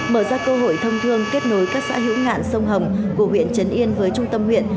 mở ra cơ hội thông thương kết nối các xã hữu ngạn sông hồng của huyện trấn yên với trung tâm huyện